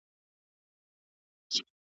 ښاري کلتور ځانګړي اصول لري.